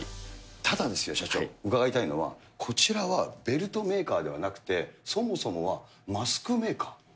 ただですよ、社長、伺いたいのは、こちらはベルトメーカーではなくて、そもそもはマスクメーカー？